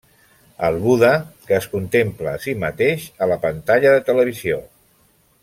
El Buda, que es contempla a si mateix a la pantalla de televisió.